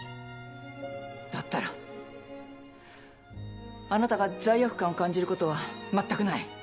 だったらあなたが罪悪感を感じることは全くない。